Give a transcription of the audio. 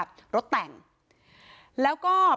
พ่อโทษ